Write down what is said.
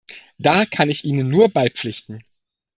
Da kann ich Ihnen nur beipflichten.